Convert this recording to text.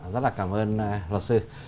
rất là cảm ơn luật sư